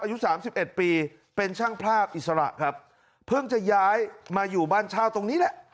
อายุ๓๑ปีเป็นช่างภาพอิสระครับเพิ่งจะย้ายมาอยู่บ้านชาวตรงนี้แหละ